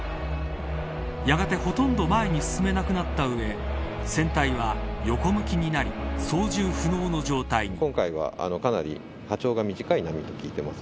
やがて、ほとんど前に進めなくなった上船体は横向きになり操縦不能の状態に。